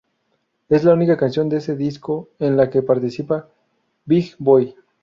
Es la única canción de ese disco en la que participa Big Boi.